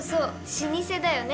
「老舗」だよね。